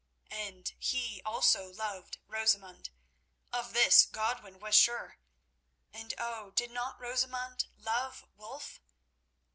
And he also loved Rosamund. Of this Godwin was sure. And, oh! did not Rosamund love Wulf?